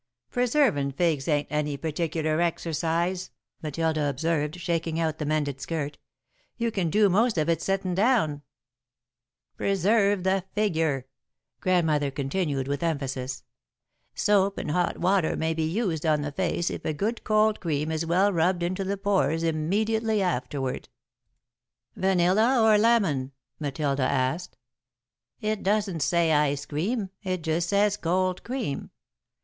'" "Preservin' figs ain't any particular exercise," Matilda observed, shaking out the mended skirt. "You can do most of it settin' down." "'Preserve the figure,'" Grandmother continued with emphasis. "'Soap and hot water may be used on the face if a good cold cream is well rubbed into the pores immediately afterward.'" [Sidenote: Cucumber Milk] "Vanilla or lemon?" Matilda asked. "It doesn't say ice cream, it just says cold cream.